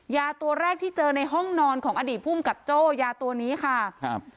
ยาตัวแรกที่เจอในห้องนอนของอดีตภูมิกับโจ้ยาตัวนี้ค่ะครับ